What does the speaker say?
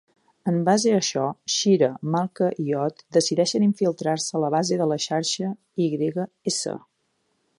En base a això, Shira, Malkah i Yod decideixen infiltrar-se a la base de la xarxa Y-S.